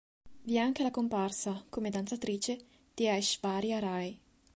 Vi è anche la comparsa, come danzatrice, di Aishwarya Rai.